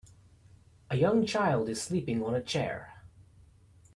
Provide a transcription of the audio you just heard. A young child is sleeping on a chair.